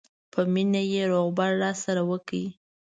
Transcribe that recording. په مینه یې روغبړ راسره وکړ.